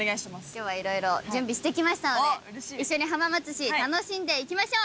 今日はいろいろ準備してきましたので一緒に浜松市楽しんでいきましょう！